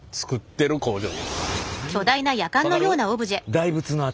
大仏の頭？